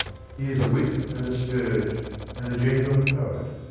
119 He is a wit and a scourge and a genuine poet.